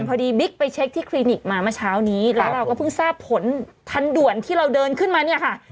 บิ๊กไปเช็คที่คลินิกมาเมื่อเช้านี้แล้วเราก็เพิ่งทราบผลทันด่วนที่เราเดินขึ้นมาเนี่ยค่ะ